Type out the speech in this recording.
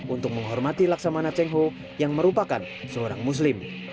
untuk menghormati laksamana cheng ho yang merupakan seorang muslim